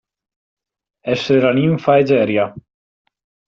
Essere la ninfa Egeria.